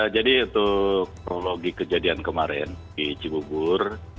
jadi untuk kronologi kejadian kemarin di cibubur